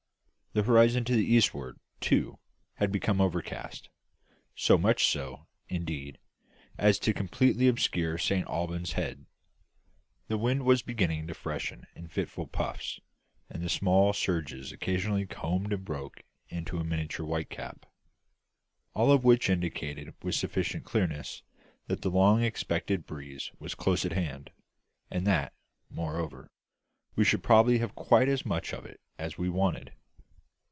The horizon to the eastward, too, had become overcast so much so, indeed, as to completely obscure Saint Alban's Head; the wind was beginning to freshen in fitful puffs, and the small surges occasionally combed and broke into a miniature white cap. All of which indicated with sufficient clearness that the long expected breeze was close at hand, and that, moreover, we should probably have quite as much of it as we wanted.